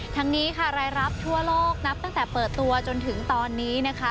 ทั้งนี้ค่ะรายรับทั่วโลกนับตั้งแต่เปิดตัวจนถึงตอนนี้นะคะ